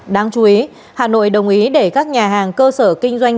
đáng chú ý hà nội đồng ý để các nhà hàng cơ sở kinh doanh